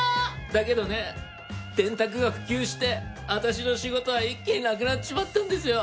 だけどね電卓が普及して私の仕事は一気になくなっちまったんですよ。